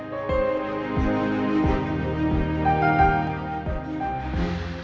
tante rosa seorang